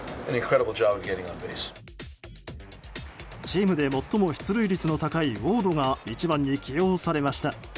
チームで最も出塁率の高いウォードが１番に起用されました。